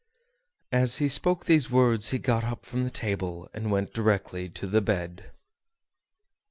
As he spoke these words he got up from the table and went directly to the bed.